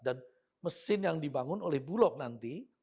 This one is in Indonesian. dan mesin yang dibangun oleh bulog nanti